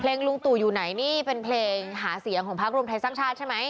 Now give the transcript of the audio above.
เพลงลุงตูอยู่ไหนนี่เป็นเพลงหาเสียงของภาครุมไทยสังชาติใช่ไหม